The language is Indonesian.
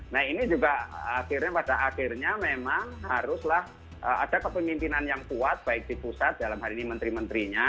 nah ini juga akhirnya pada akhirnya memang haruslah ada kepemimpinan yang kuat baik di pusat dalam hal ini menteri menterinya